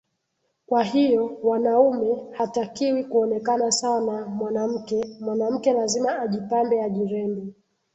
kwa hiyo wanaume hatakiwi kuonekana sawa na mwanamke mwanamke lazima ajipambe ajirembe